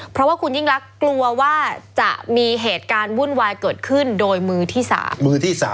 เพราะว่าคุณยิ่งรักกลัวว่าจะมีเหตุการณ์วุ่นวายเกิดขึ้นโดยมือที่๓มือที่๓